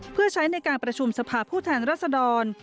เพื่อใช้ในการประชุมสภาพผู้แทนรัศดร